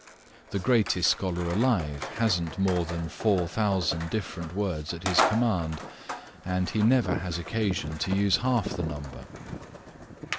The greatest scholar alive hasn't more than four thousand different words at his command, and he never has occasion to use half the number.